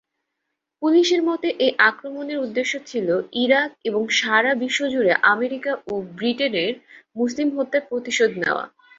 পুলিশের মতে, এই আক্রমণের উদ্দেশ্য ছিল "ইরাক এবং সারা বিশ্বজুড়ে আমেরিকা ও ব্রিটেনের মুসলিম হত্যার প্রতিশোধ নেয়া।"